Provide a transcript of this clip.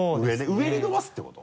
上に伸ばすってこと？